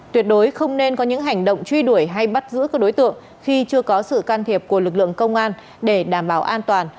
tuyệt đối không nên có những hành động truy đuổi hay bắt giữ các đối tượng khi chưa có sự can thiệp của lực lượng công an để đảm bảo an toàn